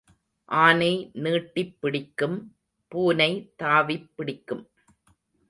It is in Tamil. ஆனை நீட்டிப் பிடிக்கும் பூனை தாவிப் பிடிக்கும்.